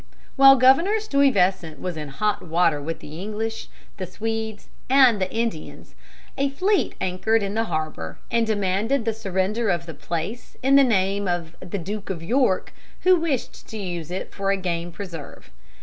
While Governor Stuyvesant was in hot water with the English, the Swedes, and the Indians, a fleet anchored in the harbor and demanded the surrender of the place in the name of the Duke of York, who wished to use it for a game preserve.